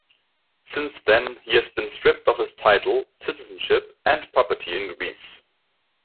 Since then, he has been stripped of his title, citizenship and property in Greece.